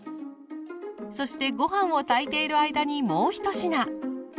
そしてご飯を炊いている間にもう一品。